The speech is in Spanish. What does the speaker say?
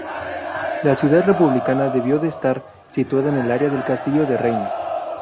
La ciudad republicana debió de estar situada en el área del castillo de Reina.